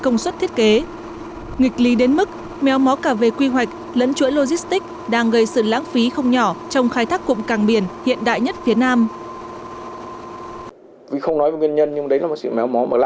nghịch lý đến mức méo mó cả về quy hoạch lẫn chuỗi logistic đang gây sự lãng phí không nhỏ trong khai thác cụm càng biển hiện đại nhất phía nam